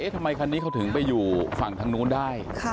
ทำไมคันนี้เขาถึงไปอยู่ฝั่งทางนู้นได้